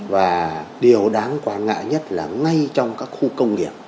và điều đáng quan ngại nhất là ngay trong các khu công nghiệp